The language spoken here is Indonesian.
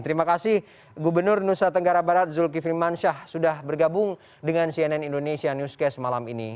terima kasih gubernur nusa tenggara barat zulkifli mansyah sudah bergabung dengan cnn indonesia newscast malam ini